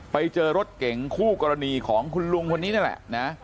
ไปเจอรถเก่งคู่กรณีของคุณลุงคนนี้นั่นแหละนะ